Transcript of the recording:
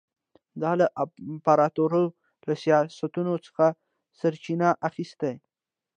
دا له امپراتور له سیاستونو څخه سرچینه اخیسته.